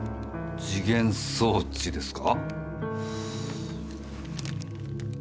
時限装置ですか？